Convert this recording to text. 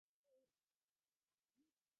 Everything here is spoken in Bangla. জলটা ঠান্ডা ছিলো।